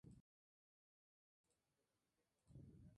En esta sala se ofrecen importantes espectáculos culturales y sociales.